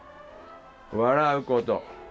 笑うこと。